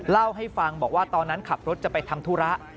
เล่าให้ฟังบอกว่าตอนนั้นขับรถจะไปทำธุระ